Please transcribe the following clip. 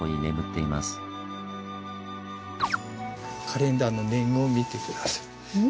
カレンダーの年号見て下さい。